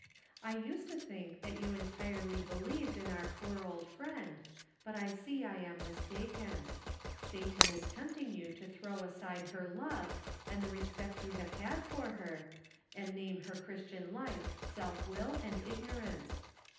I used to think that you entirely believed in our poor old friend, but I see I am mistaken. Satan is tempting you to throw aside her love, and the respect you have had for her, and name her Christian life self will and ignorance.